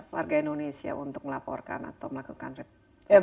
warga indonesia untuk melaporkan atau melakukan reputasi